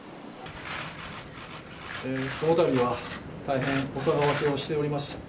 このたびは大変お騒がせをしておりました。